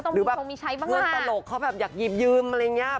ใช้บ้างเพื่อนตลกเขาแบบอยากหยิบยืมอะไรอย่างเงี้ย